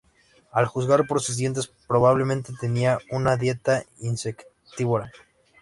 A juzgar por sus dientes, probablemente tenía una dieta insectívora.